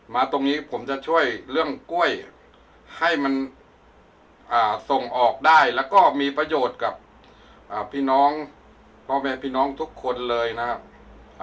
ตรงนี้ผมจะช่วยเรื่องกล้วยให้มันส่งออกได้แล้วก็มีประโยชน์กับพี่น้องพ่อแม่พี่น้องทุกคนเลยนะครับ